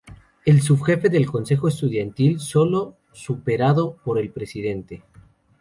El subjefe del consejo estudiantil, sólo superado por el presidente.